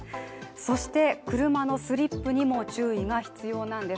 そして車のスリップにも注意が必要なんです。